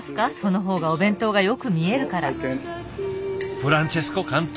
フランチェスコ監督